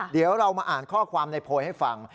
เดี๋ยวเรามาอ่านข้อความในโพยให้ฟัง